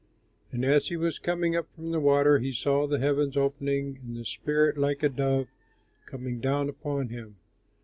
And as he was coming up from the water, he saw the heavens opening and the Spirit, like a dove, coming down upon him.